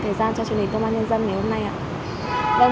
thời gian cho chương trình thông an nhân dân ngày hôm nay